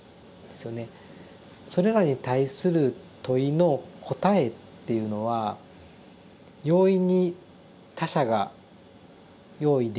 それらに対する問いの答えっていうのは容易に他者が用意できるものではない。